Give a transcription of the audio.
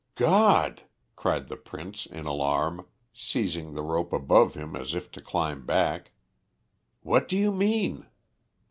"God!" cried the Prince in alarm, seizing the rope above him as if to climb back. "What do you mean?"